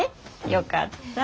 よかった。